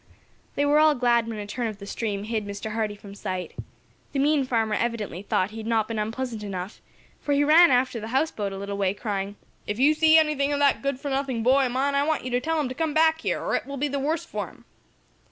They were all glad when a turn of the stream hid Mr. Hardee from sight. The mean farmer evidently thought he had not been unpleasant enough, for he ran after the houseboat a little way, crying: "If you see anything of that good for nothing boy of mine, I want you to tell him to come back here, or it will be the worse for him."